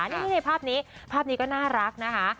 นี่ในภาพนี้ภาพนี้ก็น่ารักนะคะ